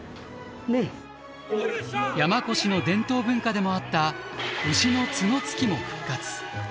山古志の伝統文化でもあった牛の角突きも復活。